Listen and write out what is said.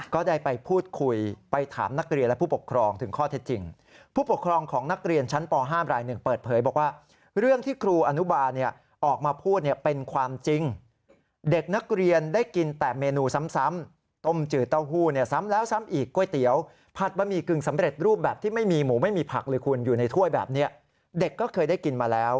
ก็ได้ไปพูดคุยไปถามนักเรียนและผู้ปกครอง